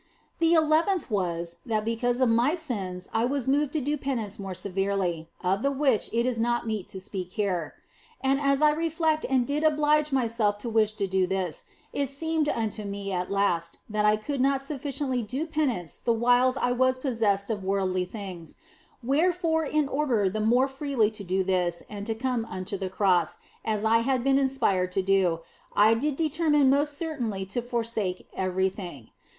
The eleventh was, that because of my sins I was moved to do penance more severely, of the which it is not meet to speak here. And as I reflected and did oblige myself to wish to do this, it seemed unto me at last that I could not OF FOLIGNO 7 sufficiently do penance the whiles I was possessed of worldly things, wherefore in order the more freely to do this and to come unto the Cross as I had been inspired to do, I did determine most certainly to forsake everything.